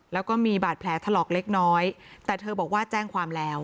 แล้วก็มีบาดแผลถลอกเล็กน้อยแต่เธอบอกว่าแจ้งความแล้ว